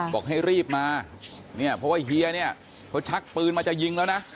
บอกให้รีบมาเนี่ยเพราะว่าเฮียเนี่ยเขาชักปืนมาจะยิงแล้วนะ